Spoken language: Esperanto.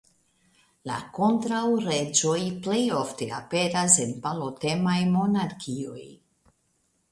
La kontraŭreĝoj plej ofte aperas en balotemaj monarkioj.